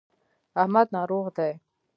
احمد ناروغ دی.